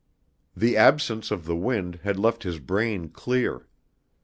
The absence of the wind had left his brain clear.